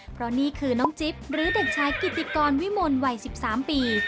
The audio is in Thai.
เพราะนี่คือน้องจิ๊บหรือเด็กชายกิติกรวิมลวัย๑๓ปี